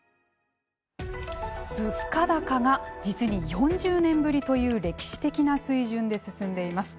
物価高が実に４０年ぶりという歴史的な水準で進んでいます。